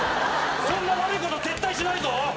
そんな悪いこと絶対しないぞ。